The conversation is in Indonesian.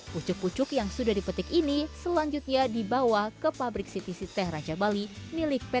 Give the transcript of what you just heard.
pucuk pucuk yang sudah dipetik ini selanjutnya dibawa ke pabrik ctc teh raja bali milik pt